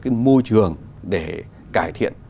cái môi trường để cải thiện